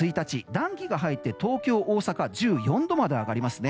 暖気が入って東京、大阪１４度まで上がりますね。